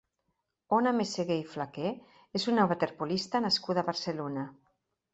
Ona Meseguer i Flaqué és una waterpolista nascuda a Barcelona.